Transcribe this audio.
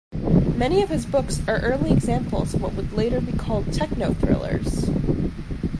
Many of his books are early examples of what would later be called techno-thrillers.